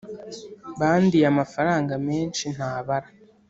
Bandiye amafaranga menshi ntabara